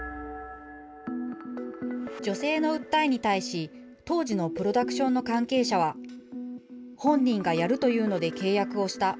女性の訴えに対し、当時のプロダクションの関係者は、本人がやるというので契約をした。